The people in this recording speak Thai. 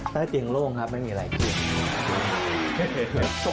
ใต้เตียงโล่งครับไม่มีอะไรกิน